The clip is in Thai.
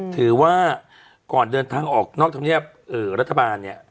ถือว่าก่อนเดินทางออกนอกทำเงียบรัฐบาล